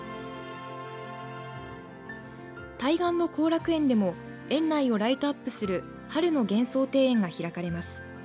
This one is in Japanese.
対岸の後楽園でも園内をライトアップする春の幻想庭園が開かれます。